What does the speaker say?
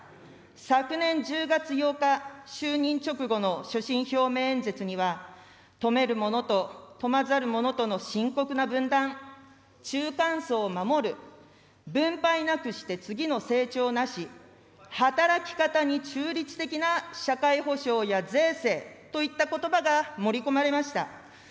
昨年１０月８日、就任直後の所信表明演説には、富める者と富まざる者との深刻な分断、中間層を守る、分配なくして次の成長なし、働き方に中立的な社会保障や税制といったことばが盛り込まれました。